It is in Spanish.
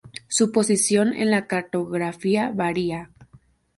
Su posición en la cartografía varía.